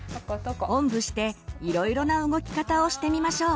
おんぶしていろいろな動き方をしてみましょう。